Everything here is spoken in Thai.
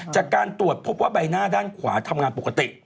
จากการตรวจพบว่าใบหน้าด้านขวาทำงานปกติ